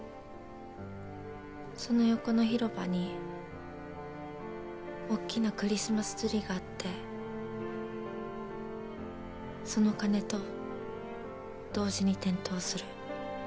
その横の広場におっきなクリスマスツリーがあってその鐘と同時に点灯する。